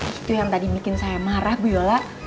itu yang tadi bikin saya marah bu yola